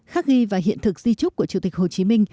khắc ghi và hiện thực di trúc của chủ tịch hồ chí minh